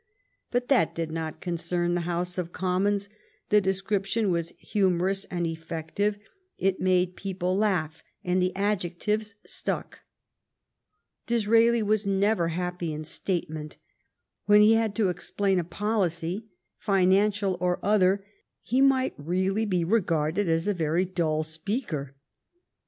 But that did hi \p\Mrs i>'m:vhi Hot conccm the (F[omsnoWp(«trai<«p™«nudghimatlhetimt HoUSC of CommOHS ; the description was humorous and effective ; it made people laugh, and the adjectives stuck. Disraeli was never happy in statement. When he had to explain a policy, financial or other, he might really be regarded as a very dull speaker.